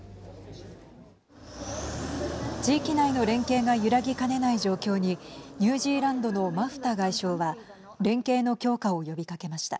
地域内の連携が揺らぎかねない状況にニュージーランドのマフタ外相は連携の強化を呼びかけました。